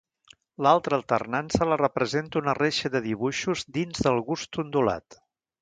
L'altra alternança la representa una reixa de dibuixos dins del gust ondulat.